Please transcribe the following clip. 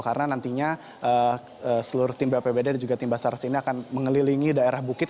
karena nantinya seluruh tim bpbd dan juga tim basarnas ini akan mengelilingi daerah bukit